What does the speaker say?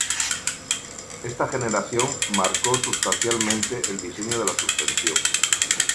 Esta generación marcó sustancialmente el diseño de la suspensión.